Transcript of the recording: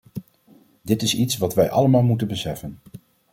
Dit is iets wat wij allemaal moeten beseffen.